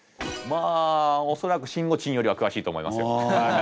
まあ恐らくしんごちんよりは詳しいと思いますよ。